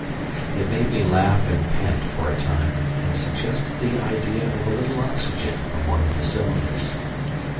It made me laugh and pant for a time, and suggested the idea of a little oxygen from one of the cylinders.